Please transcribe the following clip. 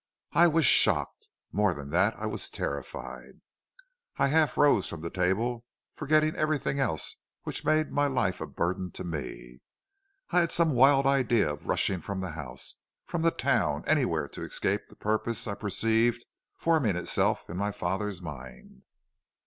"I was shocked; more than that, I was terrified; I half rose from the table, and forgetting everything else which made my life a burden to me, I had some wild idea of rushing from the house, from the town, anywhere to escape the purpose I perceived forming itself in my father's mind.